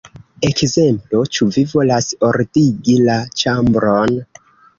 Ekzemplo: 'Ĉu vi volas ordigi la ĉambron?